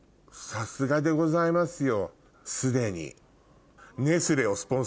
さすがでございますよ。